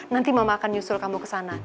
nanti mama akan nyusul kamu kesana